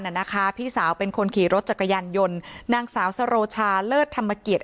น่ะนะคะพี่สาวเป็นคนขี่รถจักรยานยนต์นางสาวสโรชาเลิศธรรมเกียรติ